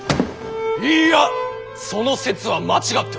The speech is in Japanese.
いいやその説は間違っておる！